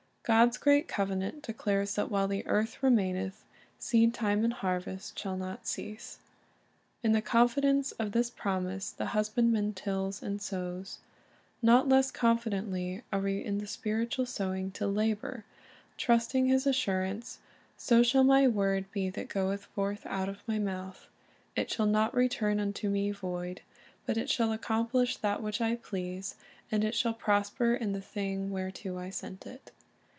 "^ God's great covenant declares that "while the earth remaineth, seed time and harvest ... shall not cease." ^ In the confidence of this promise the husbandman tills and sows. Not less confidently are we in the spiritual sowing to labor, trusting His assurance, "So shall My word be that goeth forth out of My mouth ; it shall not return unto Me void, but it shall accomplish that which I please, and it shall prosper in the thing whereto I sent it."